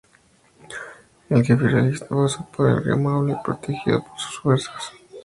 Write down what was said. El jefe realista pasó por el río Maule protegido por sus fuerzas.